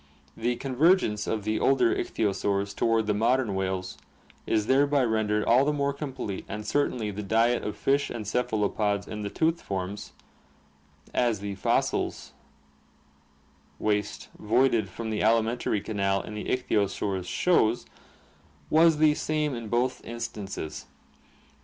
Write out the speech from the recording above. The convergence of the older ichthyosaurs toward the modern whales is there by rendered all the more complete and certainly the diet of fish and cephalopods in the toothed forms, as the fossil waste voided from the alimentary canal (cop rolites) in the ichthyosaurs AQUATIC ADAPTATION 335 shows, was the same in both instances.